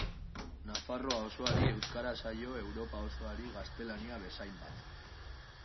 Nafarroa osoari euskara zaio Europa osoari gaztelania bezainbat.